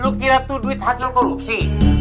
lu kira tuh duit hasil korupsi